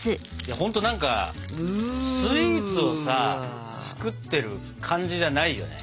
ほんと何かスイーツをさ作ってる感じじゃないよね。